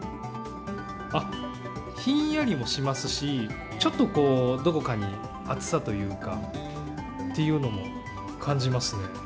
あっ、ひんやりもしますしちょっとどこかに熱さというかっていうのも感じますね。